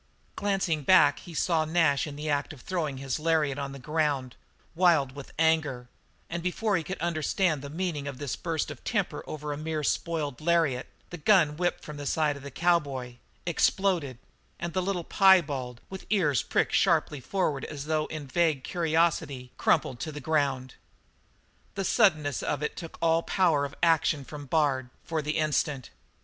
Glancing back, he saw Nash in the act of throwing his lariat to the ground, wild with anger, and before he could understand the meaning of this burst of temper over a mere spoiled lariat, the gun whipped from the side of the cowboy, exploded, and the little piebald, with ears pricked sharply forward as though in vague curiosity, crumpled to the ground. The suddenness of it took all power of action from Bard for the instant.